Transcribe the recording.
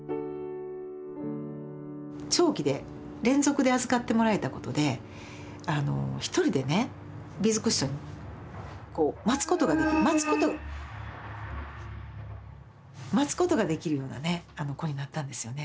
長期で連続で預かってもらえたことで１人でねビーズクッション待つことができる待つこと待つことができるようなね子になったんですよね。